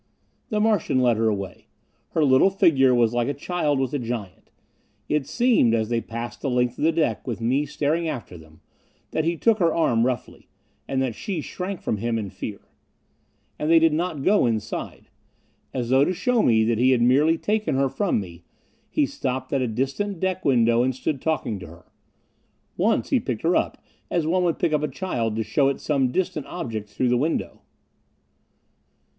The Martian led her away. Her little figure was like a child with a giant. It seemed, as they passed the length of the deck with me staring after them, that he took her arm roughly. And that she shrank from him in fear. And they did not go inside. As though to show me that he had merely taken her from me, he stopped at a distant deck window and stood talking to her. Once he picked her up as one would pick up a child to show it some distant object through the window.